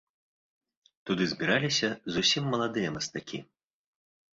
Туды збіраліся зусім маладыя мастакі.